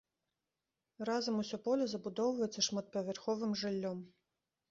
Разам усё поле забудоўваецца шматпавярховым жыллём.